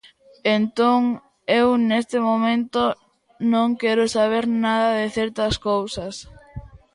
Entón eu neste momento non quero saber nada de certas cousas.